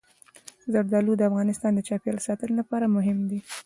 زردالو د افغانستان د چاپیریال ساتنې لپاره مهم دي.